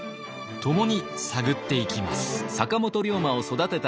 共に探っていきます。